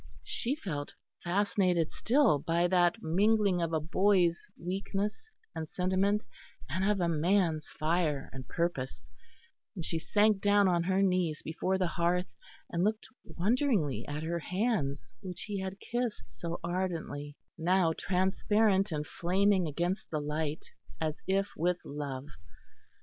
She felt fascinated still by that mingling of a boy's weakness and sentiment and of a man's fire and purpose; and she sank down on her knees before the hearth and looked wonderingly at her hands which he had kissed so ardently, now transparent and flaming against the light as if with love.